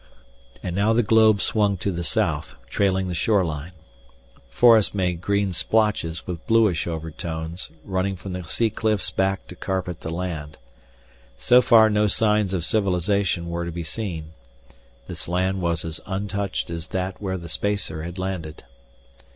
And now the globe swung to the south, trailing the shore line. Forests made green splotches with bluish overtones running from the sea cliffs back to carpet the land. So far no signs of civilization were to be seen. This land was as untouched as that where the spacer had landed.